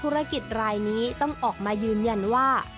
ทำให้หนุ่มนักธุรกิจรายนี้ต้องออกมายืนยันว่า